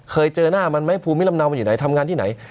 เคยเจอหน้ามันไหมภูมิลำเนามันอยู่ไหนทำงานที่ไหน